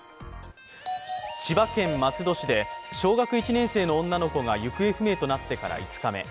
千葉県松戸市で小学１年生の女の子が行方不明になってから５日目。